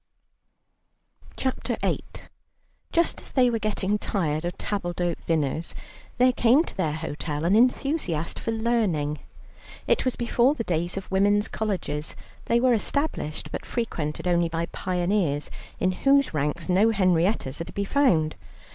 CHAPTER VIII Just as they were getting tired of tables d'hôte dinners, there came to their hotel an enthusiast for learning. It was before the days of women's colleges; they were established, but frequented only by pioneers, in whose ranks no Henriettas are to be found.